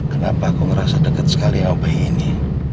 kenapa aku ngerasa dekat sekali sama bayi ini